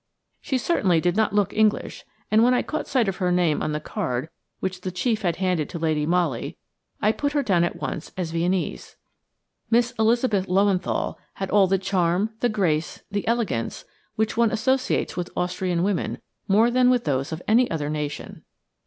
She certainly did not look English, and when I caught sight of her name on the card, which the chief had handed to Lady Molly, I put her down at once as Viennese. Miss Elizabeth Löwenthal had all the charm, the grace, the elegance, which one associates with Austrian women more than with those of any other nation.